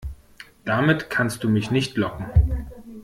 Damit kannst du mich nicht locken.